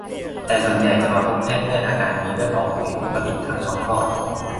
แต่ส่วนใหญ่จะมาพบแพทย์ด้วยอาการมีเลือดออกผิดปกติทางช่องคลอด